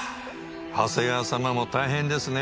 長谷川様も大変ですね。